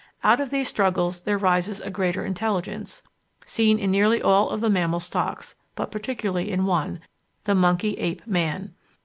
Out of these struggles there rises a greater intelligence, seen in nearly all of the mammal stocks, but particularly in one, the monkey ape man.